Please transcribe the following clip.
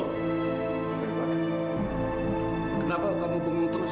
kenapa kamu bengong terus